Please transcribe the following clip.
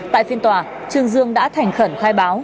tại phiên tòa trương dương đã thành khẩn khai báo